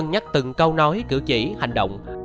cân nhắc từng câu nói cử chỉ hành động